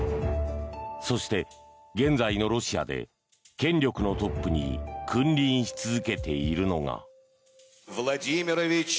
そして、現在のロシアで権力のトップに君臨し続けているのが。